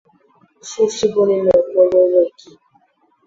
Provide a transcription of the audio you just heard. শশী বলিল, করব বইকি।